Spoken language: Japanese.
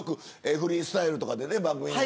フリースタイルとか番組で。